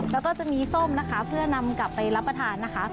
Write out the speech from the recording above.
แล้วก็จะมีส้มนะคะเพื่อนำกลับไปรับประทานนะคะ